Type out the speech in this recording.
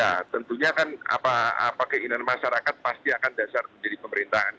ya tentunya kan apa keinginan masyarakat pasti akan dasar menjadi pemerintahan